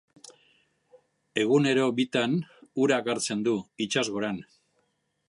Egunero bitan urak hartzen du, itsasgoran.